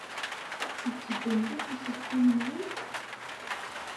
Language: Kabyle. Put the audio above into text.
Yetteddu mliḥ uselkim-nwen?